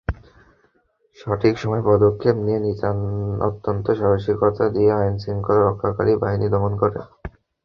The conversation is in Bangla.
সঠিক সময় পদক্ষেপ নিয়ে অত্যন্ত সাহসিকতা নিয়ে আইনশৃঙ্খলা রক্ষাকারী বাহিনী দমন করে।